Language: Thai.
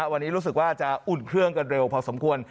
วันนี้รู้สึกว่าจะอุ่นเครื่องกันเร็วพอสมควร